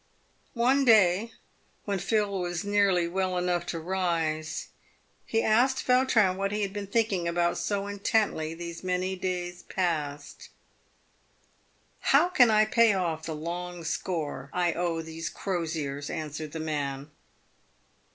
One day, when Phil was nearly well enough to rise, he asked Vau trin what he had been thinking about so intently these many days past. " How I can pay off the long score I owe these Crosiers !" answered the man.